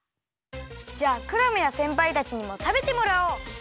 じゃあクラムやせんぱいたちにもたべてもらおう！